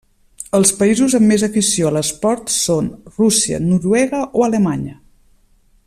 Els països amb més afició a l'esport són Rússia, Noruega o Alemanya.